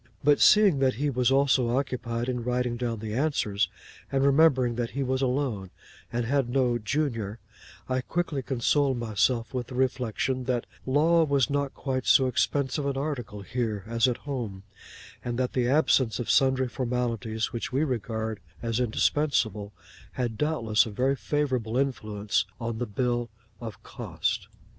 But seeing that he was also occupied in writing down the answers, and remembering that he was alone and had no 'junior,' I quickly consoled myself with the reflection that law was not quite so expensive an article here, as at home; and that the absence of sundry formalities which we regard as indispensable, had doubtless a very favourable influence upon the bill of costs.